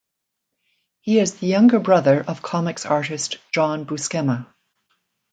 He is the younger brother of comics artist John Buscema.